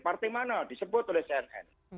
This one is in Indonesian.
partai mana disebut oleh cnn